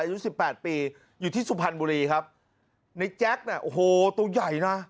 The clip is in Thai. อายุสิบแปดปีอยู่ที่สุพรรณบุรีครับในแจ๊คเนี่ยโอ้โหตัวใหญ่นะ